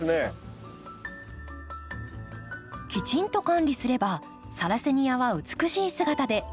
きちんと管理すればサラセニアは美しい姿で秋まで楽しめます。